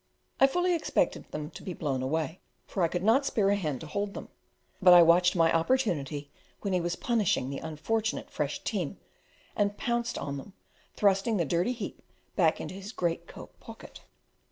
I fully expected them to blow away, for I could not spare a hand to hold them; but I watched my opportunity when he was punishing the unfortunate fresh team, and pounced on them, thrusting the dirty heap back into his great coat pocket.